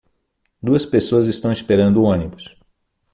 Duas pessoas estão esperando o ônibus